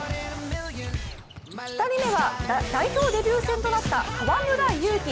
２人目は代表デビュー戦となった河村勇輝。